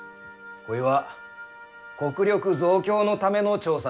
こいは国力増強のための調査ですばい。